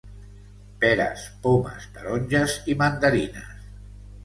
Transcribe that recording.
peres, pomes, taronges i mandarines